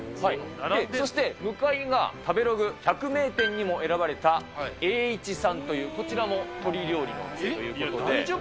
そして向かいが、食べログ百名店にも選ばれた栄一さんという、こちらも鶏料理のお大丈夫？